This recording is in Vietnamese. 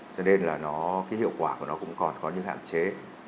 cho nên hiệu quả của nó cũng còn có những hạn chế